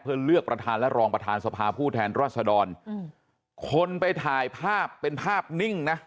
เพื่อเลือกประธานและรองประธานสภาผู้แทนรัศดรอืมคนไปถ่ายภาพเป็นภาพนิ่งนะ